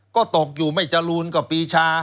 ก็ตกอยู่ไม่จรูนกับปีชา